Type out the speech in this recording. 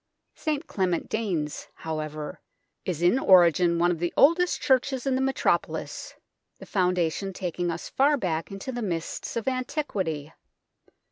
St Clement Danes, however, is in origin one of the oldest churches in the metropolis, the foundation taking us far back into the mists of antiquity.